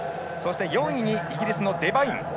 ４位にイギリスのデバイン。